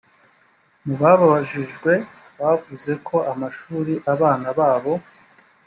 mu babajijwe bavuze ko amashuri abana babo